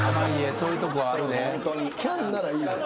そういうとこあるで。